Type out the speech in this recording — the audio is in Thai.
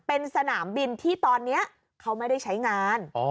เป็นสนามบินที่ตอนนี้เขาไม่ได้ใช้งาน